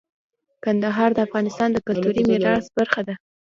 کندهار د افغانستان د کلتوري میراث برخه ده.